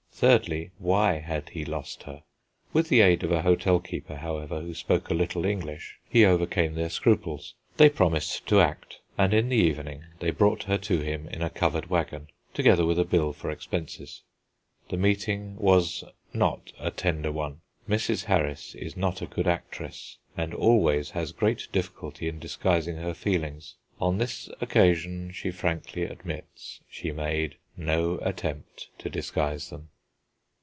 Thirdly, why had he lost her? With the aid of a hotel keeper, however, who spoke a little English, he overcame their scruples. They promised to act, and in the evening they brought her to him in a covered wagon, together with a bill for expenses. The meeting was not a tender one. Mrs. Harris is not a good actress, and always has great difficulty in disguising her feelings. On this occasion, she frankly admits, she made no attempt to disguise them.